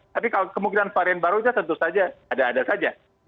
tapi kemungkinan varian baru itu tentu saja ada ada saja